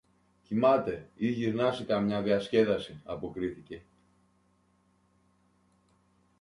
Κοιμάται ή γυρνά σε καμιά διασκέδαση, αποκρίθηκε.